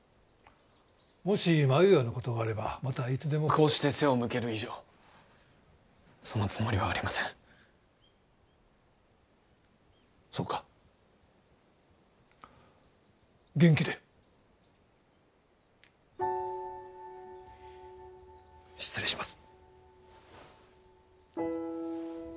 もし迷うようなことがあればまたいつでもこうして背を向ける以上そのつもりはありませんそうか元気で失礼します